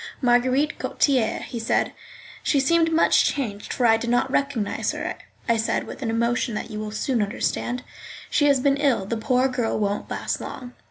"Marguerite Gautier," he said. "She seems much changed, for I did not recognise her," I said, with an emotion that you will soon understand. "She has been ill; the poor girl won't last long."